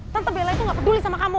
tante bela itu gak peduli sama kamu